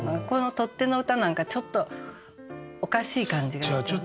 この取っ手の歌なんかちょっとおかしい感じがして。